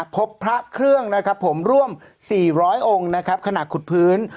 พบพระเครื่องร่วม๔๐๐องค์ขณะขุดพื้น